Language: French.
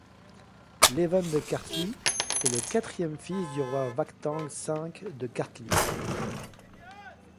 Levan de Karthlie est le quatrième fils du roi Vakhtang V de Karthli.